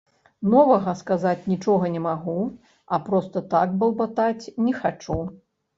Новага сказаць нічога не магу, а проста так балбатаць не хачу.